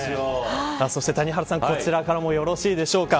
谷原さん、こちらからもよろしいでしょうか。